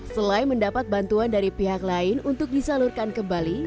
selain mendapat bantuan dari pihak lain untuk disalurkan kembali